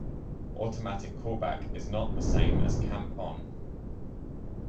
Automatic callback is not the same as camp-on.